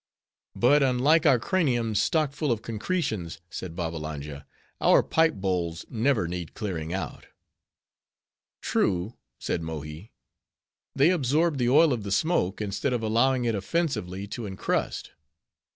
"But unlike our craniums, stocked full of concretions," said Babbalanja, our pipe bowls never need clearing out." "True," said Mohi, "they absorb the oil of the smoke, instead of allowing it offensively to incrust."